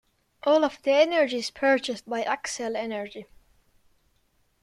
All of the energy is purchased by Xcel Energy.